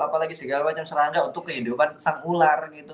apalagi segala macam serangga untuk kehidupan sang ular gitu